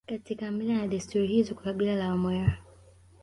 Katika mila na desturi hizo kwa kabila la Wamwera